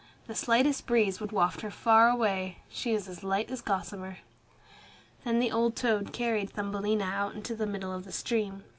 The slightest breeze would waft her far away. She is as light as gossamer." Then the old toad carried Thumbelina out into the middle of the stream.